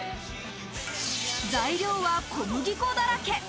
材料は小麦粉だらけ。